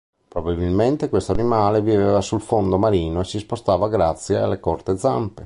Probabilmente questo animale viveva sul fondo marino e si spostava grazie alle corte zampe.